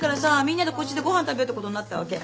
みんなでこっちでご飯食べようってことになったわけ。